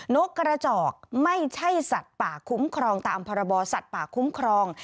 นกกระจอกไม่ใช่สัตว์ป่าคุ้มครองตามพรบสัตว์ป่าคุ้มครอง